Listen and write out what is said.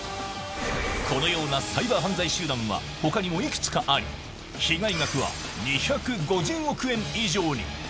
えこのようなサイバー犯罪集団は、ほかにもいくつかあり、被害額は２５０億円以上に。